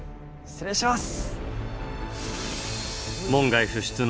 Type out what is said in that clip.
失礼します。